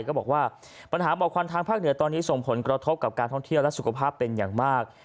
ก็บอกว่าปัญหาหมอกควันทางภาคเหนือตอนนี้ส่งผลกระทบกับการท่องเที่ยวและสุขภาพเป็นอย่างมาก